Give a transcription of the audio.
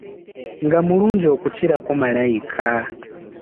Nga mulungi okukirako malayika!